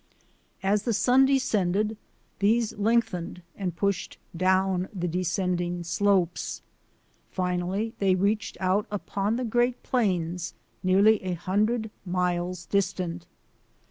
As the sun descended, these lengthened and pushed down the descending slopes. Finally they reached out upon the Great Plains nearly a hundred miles distant.